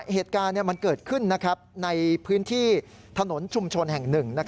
เหตุการณ์มันเกิดขึ้นในพื้นที่ถนนชุมชนแห่ง๑